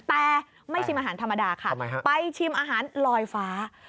แต่ไม่ชิมอาหารธรรมดาค่ะไปชิมอาหารลอยฟ้า